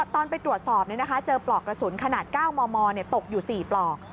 ตอนไปตรวจสอบเจอปลอกกระสุนขนาด๙มมตกอยู่๔ปลอก